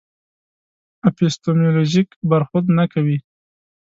اپیستیمولوژیک برخورد نه کوي.